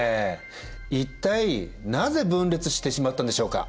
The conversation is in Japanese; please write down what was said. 一体なぜ分裂してしまったんでしょうか。